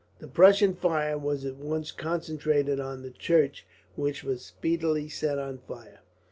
The Prussian fire was at once concentrated on the church, which was speedily set on fire.